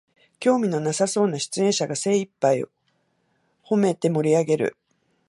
興味のなさそうな出演者が精いっぱいほめて盛りあげる